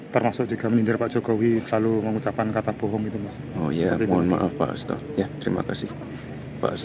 termasuk juga menindir pak jogowi selalu mengucapkan kata bohong gitu mas